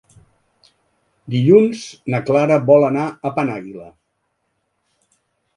Dilluns na Clara vol anar a Penàguila.